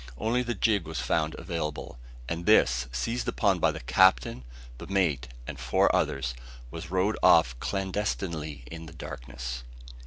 Only the gig was found available; and this, seized upon by the captain, the mate, and four others, was rowed off clandestinely in the darkness.